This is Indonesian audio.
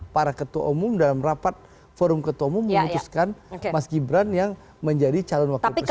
para ketua umum dalam rapat forum ketua umum memutuskan mas gibran yang menjadi calon wakil presiden